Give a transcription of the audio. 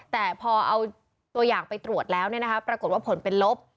แต่พอเอาตัวอย่างไปตรวจแล้วปรากฏว่าผลเป็นลบ